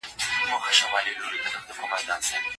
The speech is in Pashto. غلام د باغچې ټوله مېوه د مدینې فقیرانو ته وبښله.